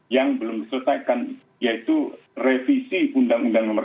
yang belum diselesaikan yaitu revisi undang undang nomor tiga